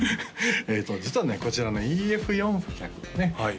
実はねこちらのＥＦ４００はね